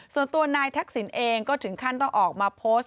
ส่วนตัวนายทักษิณเองก็ถึงขั้นต้องออกมาโพสต์